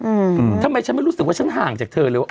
อืมทำไมฉันไม่รู้สึกว่าฉันห่างจากเธอเลยว่า